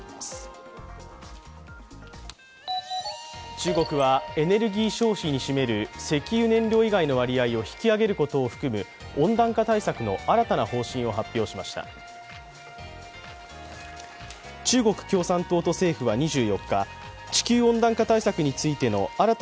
中国はエネルギー消費に占める石油燃料以外の割合を引き上げることを含む温暖化対策の新たな方針を発表しました。